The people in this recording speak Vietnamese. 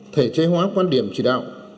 thể chế hóa quan điểm chỉ đạo